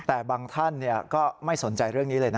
แต่บางท่านก็ไม่สนใจเรื่องนี้เลยนะ